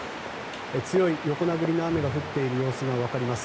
強い横殴りの雨が降っている様子が分かります。